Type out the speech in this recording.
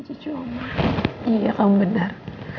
iya kamu benar